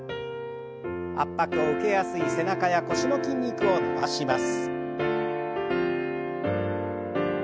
圧迫を受けやすい背中や腰の筋肉を伸ばします。